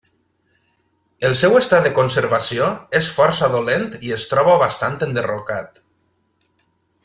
El seu estat de conservació és força dolent i es troba bastant enderrocat.